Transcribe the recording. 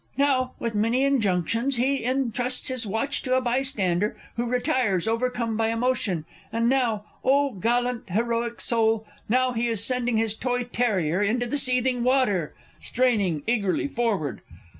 Now, with many injunctions, he entrusts his watch to a bystander, who retires, overcome by emotion. And now oh, gallant, heroic soul! now he is sending his toy terrier into the seething water! (Straining _eagerly forward.